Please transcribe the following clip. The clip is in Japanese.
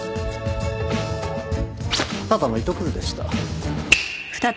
ただの糸くずでした。